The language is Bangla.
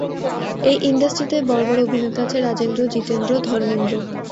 এই ইন্ড্রাসটিতে বড় বড় অভিনেতা আছে, রাজেন্দ্র জিতেন্দ্র, ধরমেনদ্র।